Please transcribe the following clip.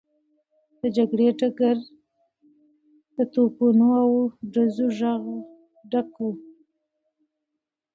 د جګړې ډګر د توپونو او ډزو غږ ډک و.